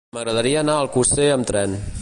M'agradaria anar a Alcosser amb tren.